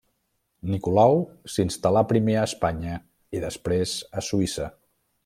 Nicolau s'instal·là primer a Espanya i després a Suïssa.